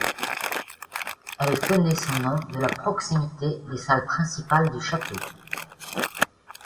Elle tenait son nom de la proximité des salles principales du château.